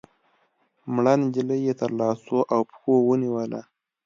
مړه نجلۍ يې تر لاسو او پښو ونيوله